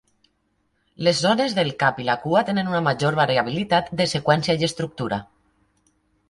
Les zones del cap i la cua tenen una major variabilitat de seqüència i estructura.